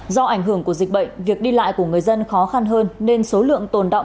do ảnh hưởng của dịch bệnh việc đi lại của người dân khó khăn hơn nên số lượng tồn động